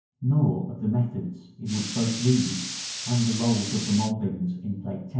nor of the methods in which both these, and the rolls of the mouldings in Plate X.